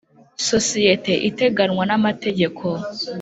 sosiyete iteganwa n amategeko